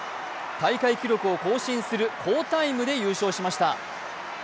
大会記録を更新する好タイムで優勝しました。